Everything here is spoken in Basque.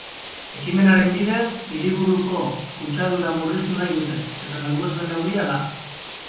Ekimenaren bidez, hiriburuko kutsadura murriztu nahi dute, eta salbuespen neurria da.